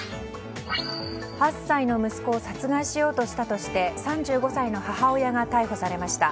８歳の息子を殺害しようとしたとして３５歳の母親が逮捕されました。